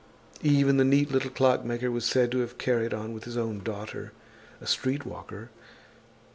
Even the neat little clockmaker was said to have carried on with his own daughter, a streetwalker.